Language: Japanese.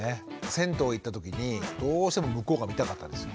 銭湯行った時にどうしても向こうが見たかったんですよ。